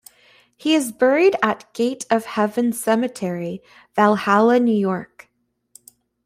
He is buried at Gate of Heaven Cemetery, Valhalla, New York.